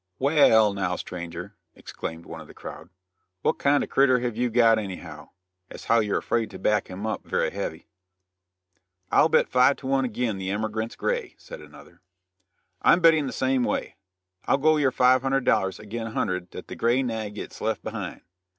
"Wa al, now, stranger," exclaimed one of the crowd, "what kind o' critter have you got anyhow, as how you're afraid to back him up very heavy?" "I'll bet five to one agin the emergrant's, gray," said another. "I'm betting the same way. I'll go yer five hundred dollars agin a hundred that the gray nag gits left behind.